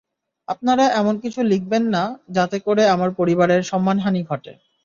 আপনারা এমন কিছু লিখবেন না, যাতে করে আমার পরিবারের সম্মানহানি ঘটে।